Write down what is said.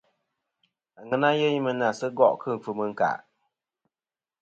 Aŋena yeyn mɨ na sɨ gòˈ kɨ ɨkfɨm ɨ ɨ̀nkàˈ.